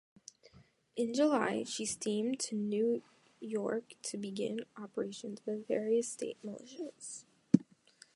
In July, she steamed to New York to begin operations with various state militias.